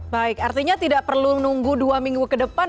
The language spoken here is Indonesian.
baik artinya tidak perlu nunggu dua minggu ke depan